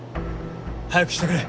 早くしてくれ。